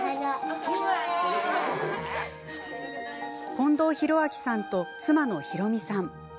近藤裕昭さんと妻の裕美さん。